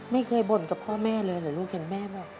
ไม่เคยบ่นกับพ่อแม่เลยหรือลูกเห็นแม่บ้าง